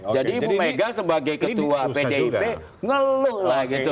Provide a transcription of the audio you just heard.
jadi bu mega sebagai ketua pdip ngeluh lah gitu